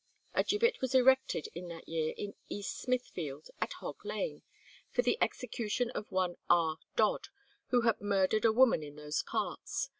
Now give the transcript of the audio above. A gibbet was erected in that year in East Smithfield, at Hog Lane, for the execution of one R. Dod, who had murdered a woman in those parts.